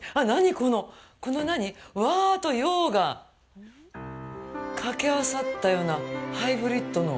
この和と洋がかけ合わさったようなハイブリッドの。